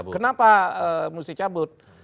kenapa mesti cabut